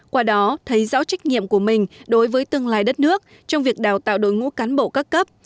qua đó thấy rõ trách nhiệm của mình đối với tương lai đất nước trong việc đào tạo đội ngũ cán bộ các cấp